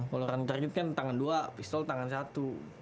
kalau running target kan tangan dua pistol tangan satu